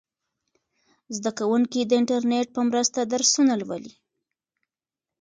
زده کوونکي د انټرنیټ په مرسته درسونه لولي.